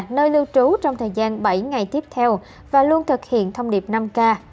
nơi lưu trú trong thời gian bảy ngày tiếp theo và luôn thực hiện thông điệp năm k